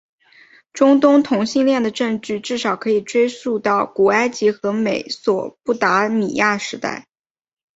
中东同性恋的证据至少可以追溯到古埃及和美索不达米亚时代。